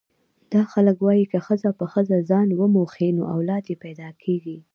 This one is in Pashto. دا خلک وايي که ښځه په ښځه ځان وموښي نو اولاد یې پیدا کېږي.